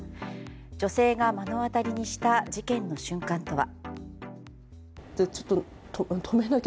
女性が目の当たりにした事件の瞬間とは。